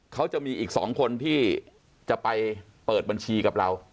เขาจะมีอีก๒คนที่จะไปเปิดบัญชีกับเรา